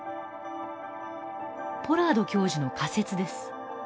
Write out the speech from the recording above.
ポラード教授の仮説です。